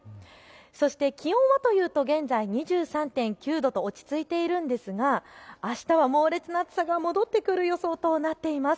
そして気温は現在２３．９度と落ち着いているんですがあしたは猛烈な暑さが戻ってくる予想となっています。